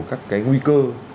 các cái nguy cơ